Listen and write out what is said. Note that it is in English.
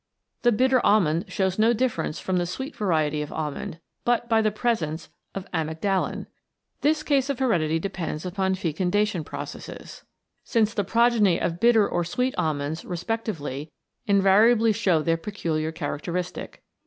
The bitter almond shows no difference from the sweet variety of almond, but by the presence of amygdalin. This case of heredity depends upon fecundation processes, CHEMICAL PHENOMENA IN LIFE since the progeny of bitter or sweet almonds, re spectively, invariably show their peculiar char acteristic.